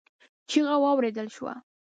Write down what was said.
چيغه واورېدل شوه.